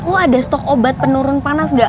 kok ada stok obat penurun panas ga